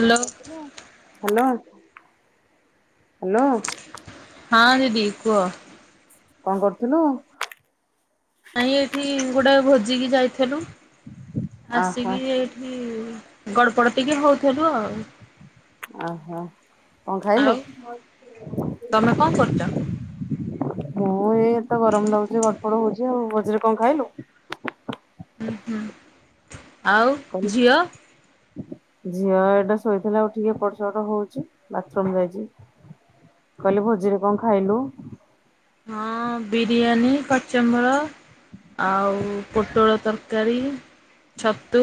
କଣ କରୁଥୁଲୁ? Hello hello. ହଁ ଦିଦି କୁହ। କଣ କରୁଥୁଲୁ? ନାଇଁ ଏଇଠି ଗୋଟେ ଭୋଜିକି ଯାଇଥେଲୁ। ଆହୋ ଆସିକି ଏଇ ଗଡ଼ପଡ ଟିକେ ହଉଥଲୁ ଆଉ। ଓହୋ। କଣ ଖାଇଲୁ? ଆଉ ତମେ କଣ କରୁଛ ମୁଁ ଏଇ ତ ଗରମ ଲାଗୁଚି ଗଡପଡ ହଉଚି ଆଉ। ଭୋଜିରେ କଣ ଖାଇଲୁ? ହୁଁ ହୁଁ। ଆଉ କହିଲି ଝିଅ? ଝିଅ ଏଟା ଶୋଇଥିଲା ଉଠିକି ଏପଟ ସେପଟ ହଉଚି। ବାଥରୁମ୍ ଯାଇଚି। କହିଲି ଭୋଜିରେ କଣ ଖାଇଲୁ? ହଁ ବିରିୟାନୀ, କଚୁମ୍ବର ଆଉ ପୋଟଳ ତରକାରୀ ଛତୁ,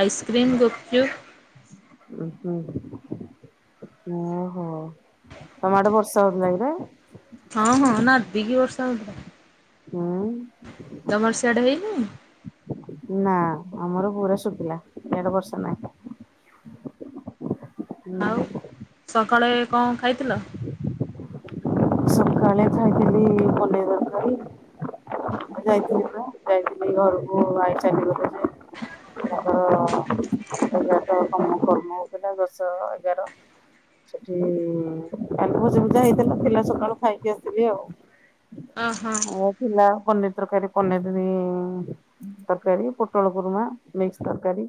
ଆଇସ୍କ୍ରିମ୍, ଗୁପଚୁପ୍। ଉ ହୁଁ। ଓହୋ। ତମଆଡେ ବର୍ଷା ହଉଥିଲା କିରେ? ହଁ ହଁ ନାଦିକି ବର୍ଷା ହଉଥିଲା। ହୁଁ। ତମର ସିଆଡେ ହେଇନାଇ। ନା ଆମର ପୁରା ଶୁଖିଲା ଦେଢ ବର୍ଷ ନାହିଁ। ଆଉ ସକାଳେ ଏ କଣ ଖାଇଥିଲ? ସକାଳେ ଖାଇଥିଲି ପନେରି ତରକାରି। ଯାଇଥିଲି ପା ଯାଇଥିଲି ଘରକୁ ଆଇ ଚାଲି ଗଲେ ଯେ ଏଗାର ତ ତମ କର୍ମ ଉପରେ ଦଶ ଏଗାର ସେଠି ଭୋଜି, ଭୁଜା ହେଇଥିଲା ଥିଲା ସକାଳୁ ଖାଇକି ଆସିଥିଲି ଆଉ। ଅ, ହଁ। ଆଉ ଥିଲା ପନିର ତରକାରି ପନିର୍ ଇ ତରକାରୀ ପୋଟଳ କୁରୁମା, ମିକ୍ସ ତରକାରୀ,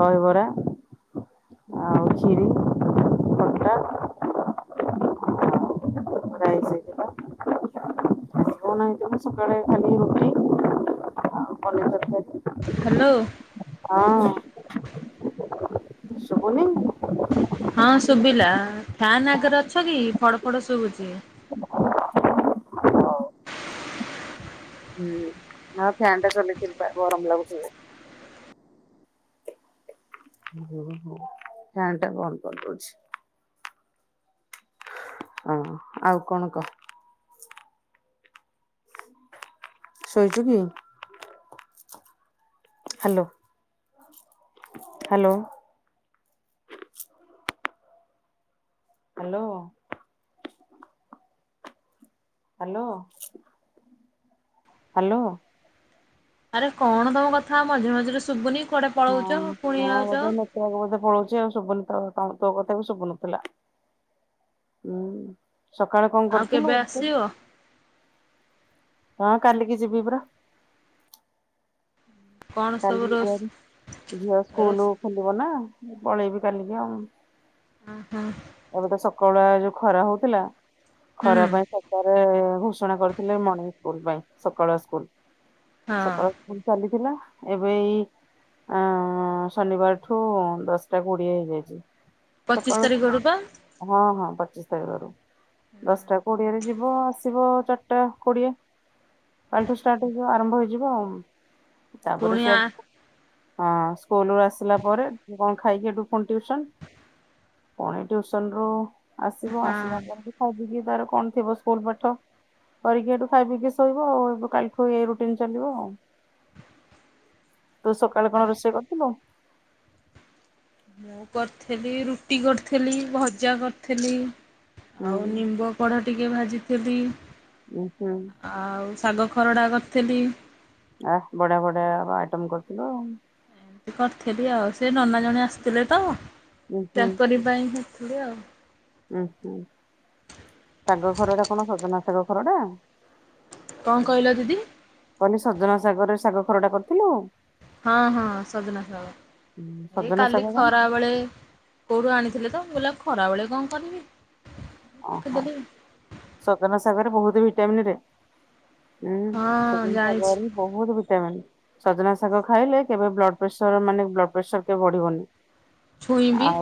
ଦହବରା ଆଉ ଖିରି, ଖଟା। ରାଇସ୍ ହେଇଥିଲା ଝୁଅ ନାହିଁ ବୋଲି ସକାଳେ ଖାଲି ରୁଟି ଆଉ ପନିର ତରକାରୀ ହାଲୋ ହଁ, ଅ। ସୁବୁନି ହଁ, ଶୁଭିଲା ଫ୍ୟାନ୍ ଆଗରେ ଅଛ କି ଫଡ ଫଡ ଶୁଭୁଛି। [inaudible] ହୁଁ, ଆଉ ଫ୍ୟାନ୍ ଟ ଚାଲେଇଥିଲି ପା ଗରମ ଲାଗୁଛି। [inaudible] ଓହୋ ଫ୍ୟାନ୍ ଟା ବନ୍ଦ୍ କରିଦଉଛି। ହିଁ, ଆଉ କଣ କହ? ଶୋଇଛୁ କି? Hello hello hello hello hello ଆରେ କଣ ତମ କଥା ମଝିରେ ମଝିରେ ଶୁଭୁନି କୁଆଡେ? ପଳଉଛ ହଁ, ପୁଣି ହଁ, ଆଉଛ। ବୋଧେ ନେଟୱର୍କ ବୋଧେ ପଳଉଛି ଆଉ ଶୁଭୁନି ତୋ - ତୋ କଥା ବି ଶୁଭୁନଥିଲା ହୁଁ, ସକାଳେ କଣ ଆଉ କରିଥିଲୁ କେବେ ରୋଷେଇ? ଆସିବ ହଁ, କାଲିକି ଯିବି ପରା କଣ ସବୁ କାଲି ରୋଷ ଯାଇ ଝିଅ ରୋଷ ସ୍କୁଲ ଖୋଲିବ ନା ପଳେଇବି କାଲିକି ଆଉ। ହୁଁ, ହୁଁ। ଏବେ ତ ସକାଳୁଆ ଯୋଉ ଖରା ହଉଥିଲା ଖରା ହୁଁ ପାଇଁ ସକାଳେ ଘୋଷଣା କରିଥିଲେ ମର୍ଣିଂ ସ୍କୁଲ ପାଇଁ ସକାଳୁଆ ସ୍କୁଲ୍। ହଁ ସକାଳ ସ୍କୁଲ୍ ଚାଲିଥିଲା ଏବେ ଏଇ ଅ ଶନିବାରଠୁ ଦଶଟା କୋଡିଏ ହେଇଯାଇଛି। ପଚିଶ ସକାଳୁ ତାରିଖରୁ ପା ସ୍କୁଲ୍ ହଁ, ହଁ ପଚିଶ ତାରିଖରୁ। ଦଶଟା କୋଡିଏରେ ଯିବ ଆସିବ ଚାର୍ ଆଠଟା କୋଡିଏ କଲିଠୁ ଷ୍ଟାର୍ଟ ହେଇଯିବ ଆରମ୍ଭ ହେଇଯିବ ଆଉ। ତାପରେ ପୁଣି ଆ ସଆଡୁ ହଁ ସ୍କୁଲ ରୁ ଆସିଲା ପରେ କଣ ଖାଇକି ସେଠୁ ପୁଣି ଟିଉସନ ପୁଣି ଟିଉସନ ରୁ ଆସିବ ହଁ ଆସିଲା ପରେ ହଉ ଜଦି ତାର କଣ ଥିବ ସ୍କୁଲ ପାଠ। କରିକି ସେଠୁ ଖାଇ ପିକି ଶୋଇବ ଆଉ, ଏ କାଲିଠୁ ଏଇ ରୁଟିନ ଚାଲିବ ଆଉ। ତୁ ସକାଳେ କଣ ରୋଷେଇ କରିଥିଲୁ ମୁଁ କରିଥେଲି ରୁଟି କରିଥେଲି ଭଜା କରିଥେଲି ହୁଁ ଆଉ ନିମ୍ବ କଢ଼ ଟିକଏ ଭାଜିଥିଲି ଓଃ ଆଉ ଶାଗ ଖରଡ଼ା କରଥିଲି ଆଃ ବଢିଆ ବଢିଆ ଆଇଟମ କରିଥିଲ କରଥିଲି ଆଉ ସେ ନନା ଜଣେ ଆସିଥିଲେ ତ ଉଁ ତାଙ୍କରି ପାଇଁ କରଥିଲି ଆଉ ଉଁହୁଁ ଶାଗ ଖରଡ଼ା କଣ ସଜନା ଶାଗ ଖରଡା କନ୍ କହିଲ ଦିଦି କହିଲି ସଜନା ଶାଗରେ ଶାଗ ଖରଡା କରିଥିଲୁ ହ ହଁ ସଜନା ଶାଗ ଏଇ ସଜନା କାଲି ଶାଗ ଜାଣିଛୁ ଖରା ବେଳେ କୋଉଠୁ ଆଣିଥିଲେ ତ ମୁଁ କହିଲି ଆଉ ଖରାବେଳେ କଣ କରିବି ଓହୋ ରଖିଦେଲି। ସଜନା ଶାଗରେ ବହୁତ୍ ଭିଟାମିନରେ ଉଁ ହଁ ସଜନା ଜାଣିଛି ସାଗରେ ବହୁତ ଭିଟାମିନ ସଜନା ଶାଗ ଖାଇଲେ କେବେ ବ୍ଲଡ଼ ପ୍ରେସର ମାନେ ବ୍ଲଡ଼ ପ୍ରେସର କେବେ ବଢ଼ିବନି ଛୁଇଁ ବି ଆଉ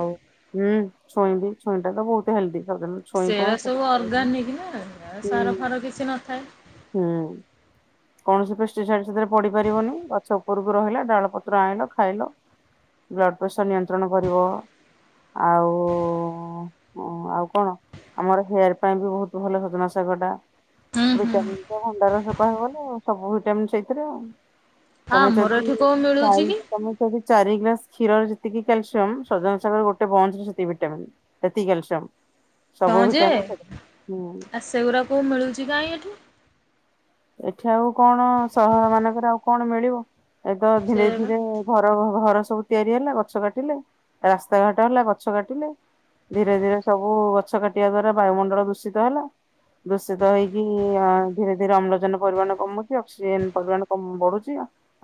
ହୁଁ ଛୁଇଁ ବି ଛୁଇଁଟା ତ ବହୁତ ହେଲ୍ଦି ଛୁଇଁ କଣ ସେରା ଛୋଟ ସବୁ କଣ ହୁଁ ଅର୍ଗାନିକ ନା ସାର ଫାର କିଛି ନଥାଏ ହୁଁ କୌଣସି ପୃଷ୍ଟିସାର ସେଥିରେ ପଡି ପାରିବନି ଗଛ ଉପୁରୁକୁ ରହିଲା ଡାଳ ପତ୍ର ଆଣିଲ ଖାଇଲ ବ୍ଲଡ଼ ପ୍ରେସର ନିୟନ୍ତ୍ରଣ କରିବ ଆଉ ଉ ଆଉ କଣ ଆମର ହେୟାର ପାଇଁ ବି ବହୁତ ଭଲ ସଜନା ଶାଗଟା ହୁଁ ହୁଁ ଭିଟାମନ ତ ଭଣ୍ଡାରସ କହିବବଲେ ସବୁ ଭିଟାମିନ ସେଇଥିରେ ଆଉ ତମେ ଆମର ଯଦି ଏଠି କୋଉ ମିଳୁଛି ସାଇ କି? ତମେ ସେଠି ଚାରି ଗ୍ଲାସ୍ କ୍ଷୀର ଯେତିକି କ୍ୟାଲସିୟମ ସଜନା ଶାଗର ଗୋଟେ ବନ୍ସ ସେତିକି ଭିଟାମନ ହେତିକି କ୍ୟାଲସିୟମ ହଁ ଯେ ଭିଟାମିନ୍ ସେଠି। ହୁଁ ଆ ସେଗୁରା କୋଉ ମିଳୁଚି କାଇଁ ଏଠି ଏଠି ଆଉ କଣ ସହର ମାନଙ୍କରେ ଆଉ କଣ ମିଳିବ ଏତ ସେ ଧିରେ ଧିରେ ଘର ଘ ଘର ସବୁ ତିଆରି ହେଲା ଗଛ କାଟିଲେ ରାସ୍ତା ଘାଟ ହେଲା ଗଛ କାଟିଲେ ଧିରେ ଧିରେ ସବୁ ଗଛ କାଟିବା ଦ୍ଵାରା ବାୟୁମଣ୍ଡଳ ଦୂଷିତ ହେଲା ଦୂଷିତ ହେଇକି ଅ ଧିରେ ଧିରେ ଅମ୍ଲ ଜାନ ପରିମାଣ କମୁଛି ଅକ୍ସିଜେନ ପରିମାଣ କମ୍ ବଢୁଛି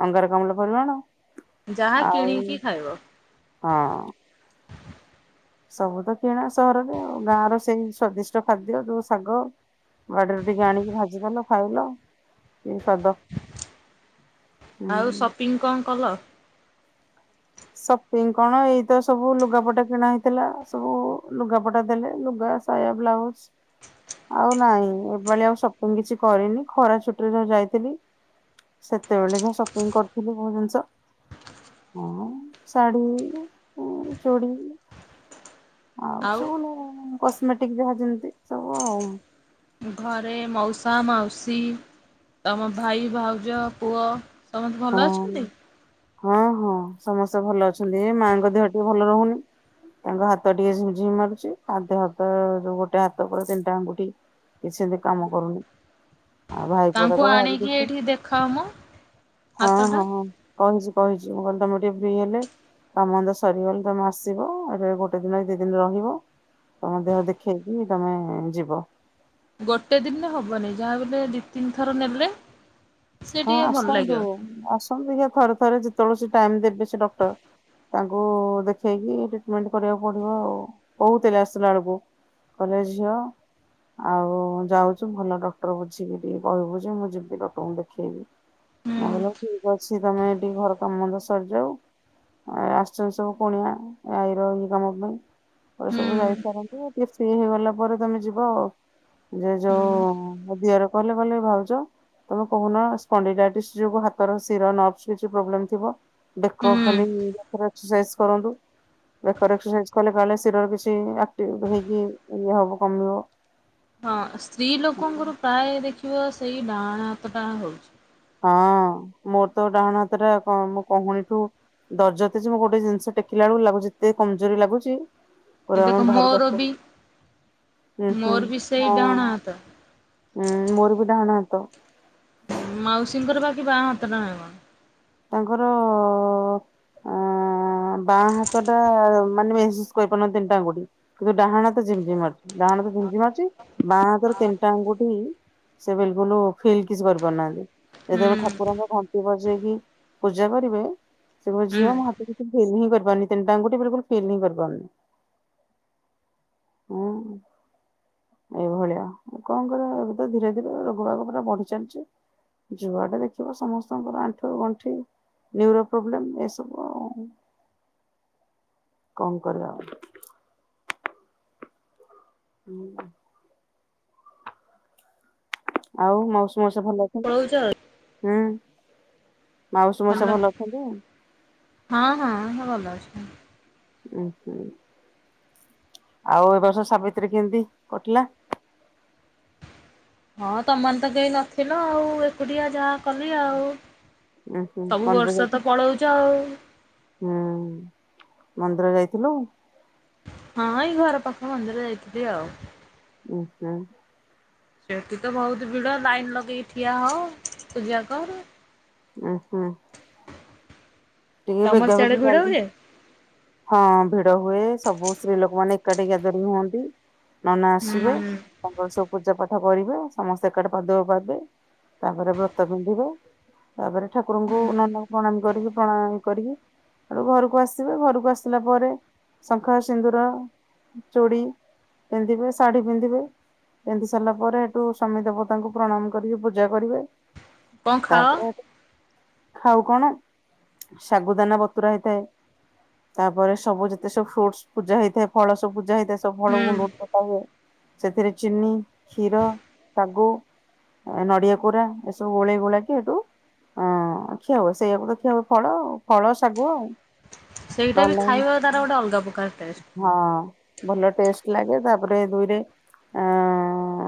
ଅଙ୍ଗାରକାମ୍ଳ ପରିମାଣ ଯାହା ଆଉ କିଣିକି ଖାଇବ ହଁ ସବୁ ତ କିଣା ସହରରେ ଆଉ ଗାଁ ର ସେଇ ସ୍ଵାଦିଷ୍ଟ ଖାଦ୍ୟ ଯୋଉ ଶାଗ ବାଡିରୁ ଟିକେ ଆଣିକି ଭାଜିଦେଲ ଖାଇଲ କିସ୍ଵାଦ [inaudible] ଆଉ ସପିଙ୍ଗ କଣ କଲ ସପିଙ୍ଗ କଣ ଏଇତ ସବୁ ଲୁଗାପଟା କିଣା ହେଇଥିଲା ସବୁ ଲୁଗାପଟା ଦେଲେ ଲୁଗା ସାୟା ବ୍ଲାଉଜ୍ ଆଉ ନାଇଁ ଏପାଳି ଆଉ ସପିଂ କିଛି କରିନି ଖରା ଛୁଟିରେ ଯୋଉ ଯାଇଥିଲି ସେତେବେଳେ ଯାହା ସପିଙ୍ଗ୍ କରୁଥିଲି ବହୁ ଜିନିଷ ହଁ ଶାଢ଼ୀ ଚୁଡ଼ି ଆଉ ସବୁ ଅଲଗା କସ୍ମେଟିକ୍ ଯାହା ଯେମିତି ସବୁ ଆଉ ଘରେ ମଉସା ମାଉସୀ ତମ ଭାଇ ଭାଉଜ ପୁଅ ସମତେ ହଁ ଭଲ ଅଛନ୍ତି ହଁ ହଁ ସମସ୍ତେ ଭଲ ଅଛନ୍ତି ଏ ମାଙ୍କ ଦେହ ଟିକେ ଭଲ ରହୁନି। ତାଙ୍କ ହାତ ଟିକେ ଝିମି ଝିମି ମାରୁଛି ପାଦେ ହାତ ଯୋଉ ଗୋଟେ ହାତ [unintelligible] ତିନି ଟା ଆଙ୍ଗୁଟି କିଛିବି କାମ କରୁନି ଆଉ ଭାଇ ପୁଅ ଟା ତ ଭାରି ଦୁଷ୍ଟ। କି ଦେଖାଅମ। ହଁ ହଁଁ ହଁ କହିଛି କହିଛି ମୁଁ କହିଲି ତମକୁ ଟିକେ ଫ୍ରି ହେଲେ କାମ ନ୍ଦ ସରିଗଲେ ତମେ ଆସିବ ଏଇଠି ଗୋଟେ ଦିନ ଦି ଦିନି ରହିବ। ତମ ଦେହ ଦେଖେଇକି ତମେ ଯିବ। ଗୋଟେ ଦିନ୍ ରେ ହବନି ଯାହା ବୋଲେ ଦି ତିନି ଥର ନେଲେ ସେ ହଁ ଟିକେ ଭଲ ଆସନ୍ତୁ ଲାଗିବ। ଆସନ୍ତୁ ଦେଖିଆ ଥରେ ଥରେ ଯେତବେଳେ ସେ ଟାଇମ୍ ଦେବେ ସେ ଡକ୍ଟର। ତାଙ୍କୁ ଦେଖେଇକି ଟ୍ରିଟମେଣ୍ଟ କରିବାକୁ ପଡିବ ଆଉ କହୁଥିଲେ ଆସିଲା ବେଳକୁ। କଲେଜ୍ ଝିଅ। ଆଉ ଯାଉଛୁ ଭଲ ଡକ୍ଟର ବୁଝିକି ଟିକେ କହିବୁ ଯେ ମୁଁ ଯିବି ଡକ୍ଟରଙ୍କୁ ଦେ ଖେଇବି ହୁଁ [unintelligible] ଠିକ୍ ଅଛି ତମେ ଟିକେ ଘର କାମନ୍ଦ ସରିଯାଉ। ଏ ଆସିଛନ୍ତି ସବୁ କୁଣିଆ ଆଈର ଇଏ କାମ ପାଇଁ। କହିବେ ହୁଁ ସବୁ ଯାଇସାରନ୍ତୁ ଟିକେ ଫ୍ରି ହେଇଗଲା ପରେ ତମେ ଯିବ ଆଉ। ଯେ ହୁଁ ଯୋଉ ମୋ ଦିଅର କହିଲେ କହିଲେ ଭାଉଜ ତମେ କହୁନ ସ୍ପଣ୍ଡେଇଟା ଏଟି [unintelligible] ଯୋଗୁ ହାତର ଶିର ନର୍ଭସ୍ କିଛି ପ୍ରୋବ୍ଲେମ୍ ଥିବ ବେକ ହୁଁ। ଖାଲି [unintelligible] ସାଇଜ୍ କରନ୍ତୁ। ବେକରେ ଏକ୍ସରସାଇଜ୍ କଲେ କାଲେ ଶିରର କିଛି ଆକ୍ଟିଭ ହେଇକି ଇଏହବ କମିବ। ହଁ ସ୍ତ୍ରୀ ଲୋକଙ୍କର ପ୍ରାୟ ଦେଖିବ ସେଇ ଡାହାଣ ହାତଟା ହଉଚି। ହଁ ମୋର ତ ଡାହାଣ ହାତ ଟା କଁ ମୋ କହୁଣୀଠୁ ଦରଜ ଏତେ ଯେ ମୁଁ ଗୋଟେ ଜିନିଷ ଟେକିଲା ବେଳକୁ ଲାଗୁଚି ଏତେ କମଜୋରି ଲାଗୁଚି ଏ ପୁରା ଦେଖ ମାନେ ଭାରି ମୋର ଭାରି ବି [unintelligible] ହୁଁ ହୁଁ ମୋର ବି ସେଇ ହଁ। ଡାହାଣ ହାତ। ଉଁ ମୋର ବି ଡାହାଣ ହାତ। ମାଉସୀଙ୍କର ବାକି ବାଁ ହାତଟା ନା କଣ? ତାଙ୍କର ଉଁ ଉଁ ବାଁ ହାତ ଟା ମାନେ ମେହେସୁସ୍ କରିପାରୁନାହାନ୍ତି ତିନିଟା ଆଙ୍ଗୁଟି। କିନ୍ତୁ ଡାହାଣ ହାତ ଜିମ୍ ଜିମ୍ ମାରୁଚି, ଡାହାଣ ହାତ ଝିମ୍ଜି ମାରୁଚି ବାଁ ହାତର ତିନିଟା ଆଙ୍ଗୁଟି ସେ ବିଲକୁଲୁ ଫିଲ୍ କିଛି କରିପାରୁନାହାନ୍ତି। ହୁଁ ଯେତେବେଳେ ଠାକୁରଙ୍କ ଘଣ୍ଟି ବଜେଇକି ପୂଜା କରିବେ ସେ କହିବେ ହୁଁ। ଝିଅ ମୋ ହାତ ଫିଲ୍ ହିଁ କରିପାରୁନି ତିନିଟା ଆଙ୍ଗୁଟି ବିଲକୁଲ୍ ଫିଲ୍ ହିଁ କରିପାରୁନି। ଅଁ। ଏଇଭଳିଆ କଣ କରିବା ଏବେ ତ ଧୀରେ ଧୀରେ ରୋଗ ବାଗ ପୁରା ବଢି ଚାଲିଚି। ଯୁଆଡେ ଦେଖିବ ସମସ୍ତଙ୍କର ଆଣ୍ଠୁ ଗ ଣ୍ଠି ନ୍ୟୁରୋ ପ୍ରୋବ୍ଲେମ୍ ଏସବୁ ଆଉ। କଣ କରିବା ଆଉ। ହୁଁ। ଆଉ ମଉସି ମଉସା ଭଲ? ଅଛନ୍ତି? ପଳଉଚ? ହୁଁ ମାଉସୀ ମଉସା ହାଲୋ ଭଲ ଅଛନ୍ତି? ହଁ ହଁ ସେ ଭଲ ଅଛନ୍ତି। ଉଁ ହୁଁ। ଆଉ ଏବର୍ଷ ସାବିତ୍ରୀ କେମିତି କଟିଲା? ହଁ ତମ ମାନେ ତ କେହି ନଥିଲ ଆଉ ଏକୁଟିଆ ଯାହା କଲି ଆଉ। ଉଁ ହୁଁ ସବୁ ମନ୍ଦିର ବର୍ଷତ ଯାଇଥିଲୁ? ପଳଉଚ ଆଉ। ହୁଁ ମନ୍ଦିର ଯାଇଥିଲୁ? ହଁ ଏଇ ଘର ପାଖ ମନ୍ଦିର ଯାଇଥିଲି ଆଉ। ଉ-ହୁଁ। ସେଠି ତ ବହୁତ୍ ଭିଡ ଲାଇନ୍ ଲଗେଇ ଠିଆ ହ ପୂଜା କର। ଉଁ-ହୁଁ। ତମର ବେଗି ସିଆଡେ ଭିଡ ଜଲଦି ହୁଏ? ହଁ ଭିଡ ହୁଏ ସବୁ ସ୍ତ୍ରୀ ଲୋକମାନେ ଏକାଠି ଗ୍ୟାଦରିଂ ହୁଅନ୍ତି ନନା ଆସିବେ ହୁଁ। ତାଙ୍କର ସବୁ ପୂଜାପାଠ କରିବେ ସମସ୍ତେ ଏକାଠି ପାଦୁକ ପାଇବେ। ତାପରେ ବ୍ରତ ପିନ୍ଧିବେ। ତାପରେ ଠାକୁରଙ୍କୁ ନନାଙ୍କୁ ପ୍ରଣାମ କରିକି ପ୍ରଣାମ କରିକି ସେଇଠୁ ଘରକୁ ଆସିବେ, ଘରକୁ ଆସ୍ ସିଲା ପରେ ଶଙ୍ଖା ସିନ୍ଦୁର ଚୁଡ଼ି ପିନ୍ଧିବେ ଶାଢୀ ପିନ୍ଧିବେ। ପିନ୍ଧି ସାରିଲା ପରେ ହେଠୁ ସ୍ଵାମୀ ଦେବତାଙ୍କୁ ପ୍ରଣାମ କରିକି ପୂଜା କରିବେ। କଣ ଖାଅ? ତାପରେ ହେଟୁ ଖାଉ କଣ ଶାଗୁ ଦାନା ବତୁରା ହେଇଥାଏ। ତାପରେ ସବୁ ଯେତେ ସବୁ ଫ୍ରୁଟସ୍ ପୂଜା ହେଇଥାଏ ଫଳ ସବୁ ପୂଜା ହେଇଥାଏ ସବୁ ଫଳ ହୁଁ ଗୁଣ୍ଡୁଗୁଣ୍ଡ୍ କଟା ହୁଏ। ସେଥିରେ ଚିନି କ୍ଷୀର ଶାଗୁ ଏଁ ନଡିଆ କୋରା ଏସବୁ ଗୋଳେଇ ଗୋଳାକି ହେଟୁ ହଁ ଖିଆ ହୁଏ ସେଇଆକୁ ତ ଖିଆ ହୁଏ ଫଳ ଆଉ ଫଳ ଶାଗୁ ଆଉ। ସେଇଟା ନହେଲେ ବି ନାଇଁ ଖାଇବା ତାର ଗୋଟେ ଅଲଗା ପକାର ଟେଷ୍ଟ୍। ହଁ ଭଲ ଟେଷ୍ଟ୍ ଲାଗେ ତାପରେ ଦୁଇରେ ଆଁ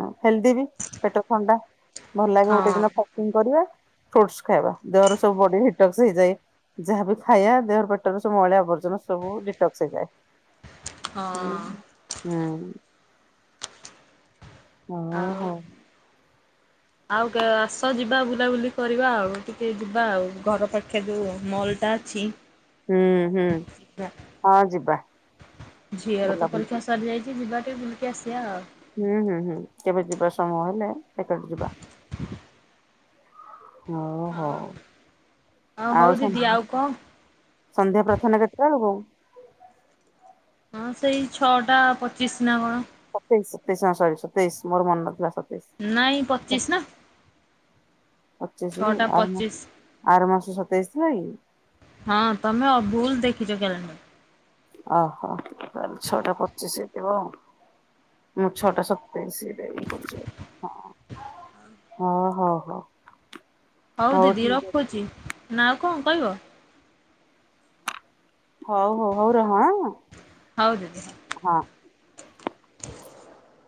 ଅଁ ହେଲଦି ବି ପେଟ ଥଣ୍ଡା ଭଲ ଲାଗେ ଗୋଟେ ହଁ ଦିନ ଫ ସେମତି କରିବେ। ଫ୍ରୁଟସ ଖାଇବା ଦେହର ସବୁ ବଡି ହିଟକ୍ସ ହେଇଯଏ ଯାହା ବି ଖାଇବା ଦେହର ପେଟର ସବୁ ଅଳିଆ ଆବର୍ଜନା ସବୁ ଡିଟକ୍ସ ହେଇଯାଏ ହଁ ହୁଁ ହୁଁଉଁ। ହଁ ଅଁ। ଆଉ ଆଉ କେବେ ଆସ ଯିବା ବୁଲାବୁଲି କରିବା ଆଉ ଟିକେ ଯିବା ଆଉ ଘର ପାଖେ ଯୋଉ ମଲ୍ ଟା ଛିଇ। ହୁଁ ହୁଁ ହଁ ଯିବା। ଝିଅର ତ ବୁଲାବୁଲି ପରୀକ୍ଷା କରି ସରିଯାଇଚି ଯିବା ଟିକେ ବୁଲିକି ଆସିଆ ଆଉ। ହୁଁ ହୁଁ ହୁଁ କେବେ ଯିବା ସମୟ ହେଲେ ଏକାଠି ଯିବା। ହଁ ହଉ। ହଁ ଆଉ ହଉ ଦିଦି ଆଉ କଁ ସନ୍ଧ୍ୟା ପ୍ରାର୍ଥନା କେତେଟାଳୁକୁ? ହଁ ସେଇ ଛଟା ପଚିଶ୍ ନା କଣ? ସତେଇଶ୍ ସତେଇଶ୍ ହଁ ସରି ସତେଇଶ୍ ମୋର ମନ ନଥିଲା ସ ନାଇଁ ପଚିଶ୍ ନା ପଚିଶି ଛଅଟା ଆର ମା ପଚିଶ୍। ଆର ମାସ ସତେଇଶ ଥିଲା କି? ହଁ ତମେ ଅ ଭୁଲ୍ ଦେଖିଚ କ୍ୟାଲେଣ୍ଡର। ଅ ହ ତାହେଲେ ଛଅଟା ପଚିଶ୍ ହେଇଥିବ ଆଉ। ହୁଁ ଛଅଟା ସତେଇଶି ରେ ଇଏକରୁଚି ଆଉ ହଁ। ହଁ ହଁ ହ। ହଉ ଦିଦି ରଖୁଚି ନା ଆଉ କଁ କଇବ? ହଉ ହଉ ହଉ ରହ ଆଁ ହଉ ଦିଦି। ହଁ। [inaudible]